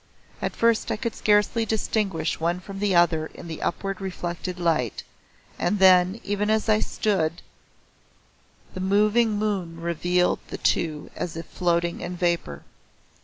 At first I could scarcely distinguish one from the other in the upward reflected light, and then, even as I stood, the moving moon revealed the two as if floating in vapor.